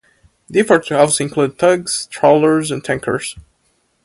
The effort also included tugs, trawlers, and tankers.